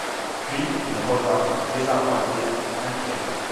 Puis, il revint, désappointé, inquiet.